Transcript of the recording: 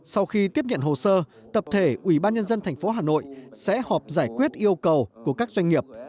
sau khi tiếp nhận hồ sơ tập thể ủy ban nhân dân tp hà nội sẽ họp giải quyết yêu cầu của các doanh nghiệp